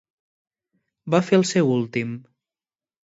Va fer el seu últim